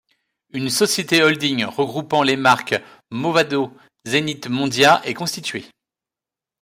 Une société holding regroupant les marques Movado-Zenith-Mondia est constituée.